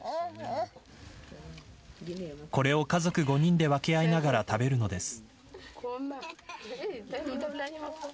これを家族５人で分け合いながら食べるのです。